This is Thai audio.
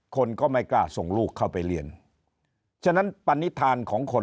คนก็ไม่กล้าส่งลูกเข้าไปเรียนฉะนั้นปณิธานของคน